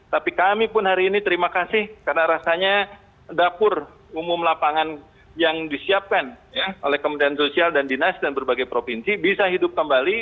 tapi kami pun hari ini terima kasih karena rasanya dapur umum lapangan yang disiapkan oleh kementerian sosial dan dinas dan berbagai provinsi bisa hidup kembali